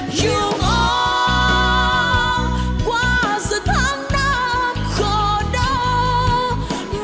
nhưng ôm qua giờ tháng năm khổ đau